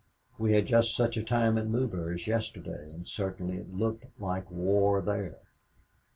We had just such a time at Maubeuge yesterday and certainly it looked like war there.